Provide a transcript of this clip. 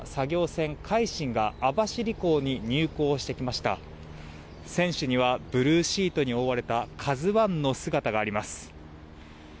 船主にはブルーシートに覆われた「ＫＡＺＵ１」の姿があります。